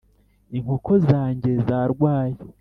inkoko za njye zarwaye